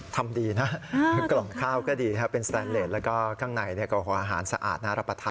ทำดีนะกล่องข้าวก็ดีครับเป็นสแตนเลสแล้วก็ข้างในก็ขออาหารสะอาดน่ารับประทาน